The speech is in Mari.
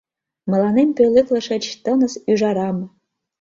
Мыланем пӧлеклышыч Тыныс ӱжарам.